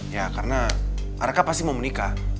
ya karena araka pasti mau menikah